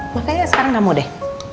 makanya sekarang gak mau deh